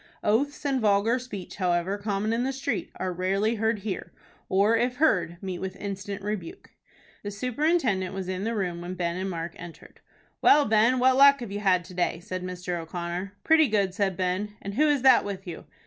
Oaths and vulgar speech, however common in the street, are rarely heard here, or, if heard, meet with instant rebuke. The superintendent was in the room when Ben and Mark entered. "Well, Ben, what luck have you had to day?" said Mr. O'Connor. "Pretty good," said Ben. "And who is that with you?"